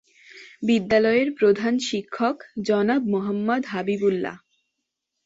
বিদ্যালয়ের প্রধান শিক্ষক জনাব মোহাম্মদ হাবিব উল্লাহ।